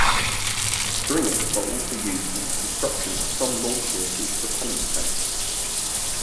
Stringers are also used in the construction of some launch vehicle propellant tanks.